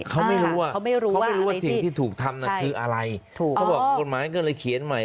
เขาไม่รู้ว่าสิ่งที่ถูกทำคือใจ